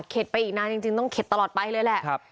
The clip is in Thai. ไปอีกนานจริงต้องเข็ดตลอดไปเลยแหละ